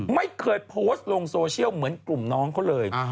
ไม่เคยโพสต์ลงโซเชียลเหมือนกลุ่มน้องเขาเลย